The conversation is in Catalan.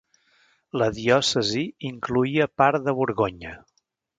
La diòcesi incloïa part de Borgonya.